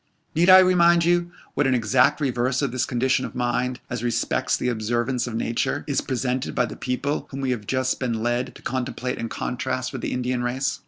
Need I remind you what an exact reverse of this condition of mind, as respects the observance of nature, is presented by the people whom we have just been led to contemplate in contrast with the Indian race?